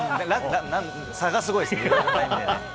差がすごいです。